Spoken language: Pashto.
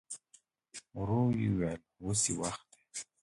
ورو يې وويل: اوس يې وخت دی.